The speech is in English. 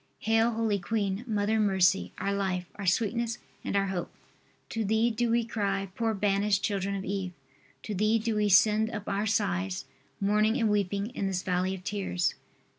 Hail holy queen, Mother of Mercy, our life, our sweetness and our hope. To thee do we cry, poor banished children of Eve. To thee do we send up our sighs, mourning and weeping in this valley of tears.